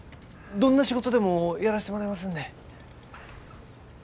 どんな仕事でもやらしてもらいますんで。